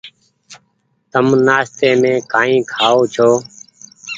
تم نآستي مين ڪآئي کآئو ڇو۔